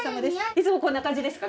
いつもこんな感じですか？